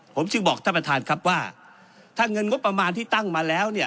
ผมจึงบอกท่านประธานครับว่าถ้าเงินงบประมาณที่ตั้งมาแล้วเนี่ย